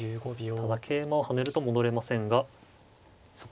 ただ桂馬を跳ねると戻れませんがそこは決断よく。